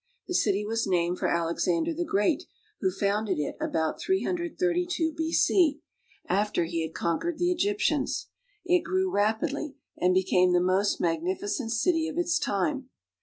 The city was named for Alexander the Great, who founded it about 332 B.C. after he had conquered the Egyptians. It grew rapidly and became the most magnificent city of its time.